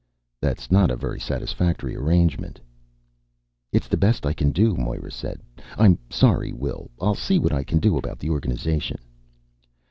"That's not a very satisfactory arrangement." "It's the best I can do," Moera said. "I'm sorry, Will. I'll see what I can do about the organization."